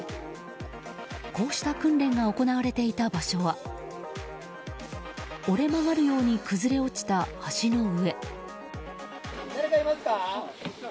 こうした訓練が行われていた場所は折れ曲がるように崩れ落ちた橋の上。